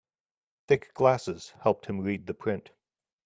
Thick glasses helped him read the print.